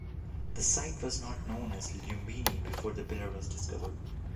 The site was not known as Lumbini before the pillar was discovered.